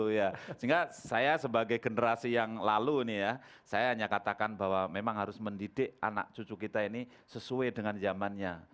sehingga saya sebagai generasi yang lalu ini ya saya hanya katakan bahwa memang harus mendidik anak cucu kita ini sesuai dengan zamannya